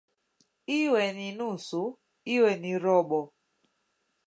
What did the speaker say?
"Iwe ni nusu, iwe ni robo"